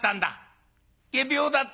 仮病だったんだ。